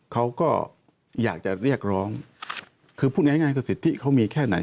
เขาก็อยากจะเรียกร้องคือพูดง่ายง่ายคือสิทธิเขามีแค่ไหน